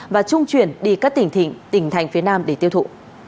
và trung chuyển đi các tỉnh tỉnh thành phía nam để tiêu thụ